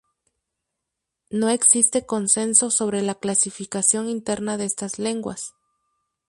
No existe consenso sobre la clasificación interna de estas lenguas.